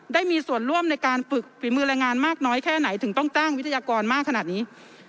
ได้มีส่วนร่วมในการฝึกฝีมือแรงงานมากน้อยแค่ไหนถึงต้องจ้างวิทยากรมากขนาดนี้